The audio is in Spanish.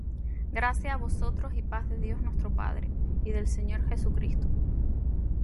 Gracia á vosotros y paz de Dios nuestro Padre, y del Señor Jesucristo.